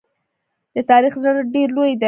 د تاریخ زړه ډېر لوی دی.